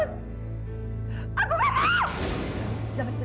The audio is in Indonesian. aku gak mau